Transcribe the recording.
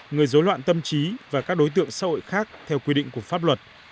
người dối loạn tâm trí và các đối tượng xã hội khác theo quy định của pháp luật